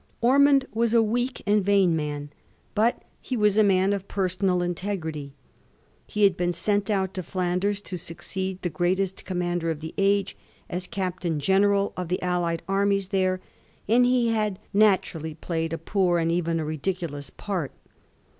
Ormond was a weak and vain man, but he was a man of personal integrity. He had been sent out to Flanders to succeed the greatest commander of the age as captain general of the allied armies there, and he had naturally played a poor and even a ridiculous part.